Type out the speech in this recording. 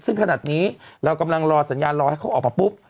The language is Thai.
ซึ่งขนาดนี้เรากำลังรอสัญญาณรอให้เขาออกมาปุ๊บ